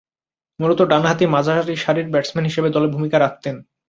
মূলতঃ ডানহাতি মাঝারিসারির ব্যাটসম্যান হিসেবে দলে ভূমিকা রাখতেন।